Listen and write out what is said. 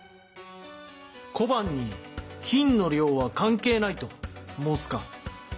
小判に金の量は関係ないと申すか？